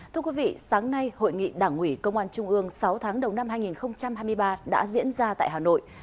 thưa quý vị sáng nay hội nghị đảng ủy công an trung ương sáu tháng đầu năm hai nghìn hai mươi ba đã diễn ra tại hà nội